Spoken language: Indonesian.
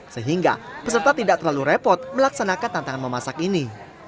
sehingga peserta tidak terlalu repot melaksanakan tantangan memasak ini